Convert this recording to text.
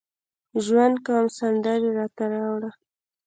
ژوند کوم سندرې راته راوړه